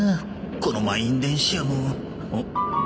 この満員電車もおっ？